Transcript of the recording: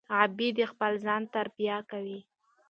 غابي د خپل ځان تربیه کوي.